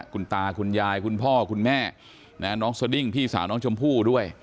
คุณตาคุณยายคุณพ่อคุณแม่น้องสดิ้งพี่สาวน้องชมพู่ด้วย